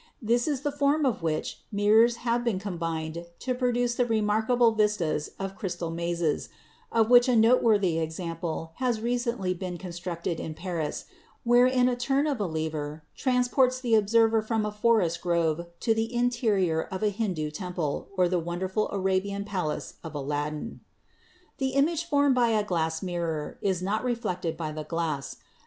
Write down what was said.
This is the forim in which mirrors have been combined to produce the re markable vistas of crystal mazes, of which a noteworthy example has recently been constructed in Paris, wherein the turn of a lever transports the observer from a forest grove to the interior of a Hindu temple or the wonderful Arabian palace of Aladdin. The image formed by a glass mirror is not reflected" by the glass.